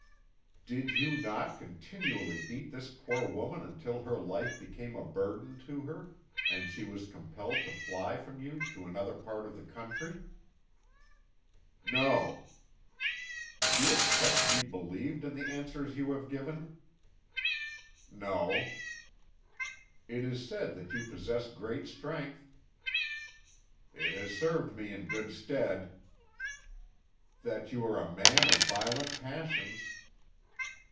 "Did you not continually beat this poor woman until her life became a burden to her, and she was compelled to fly from you to another part of the country?" "No." "Do you expect to be believed in the answers you have given?" "No." "It is said that you possess great strength." "It has served me in good stead." "That you are a man of violent passions."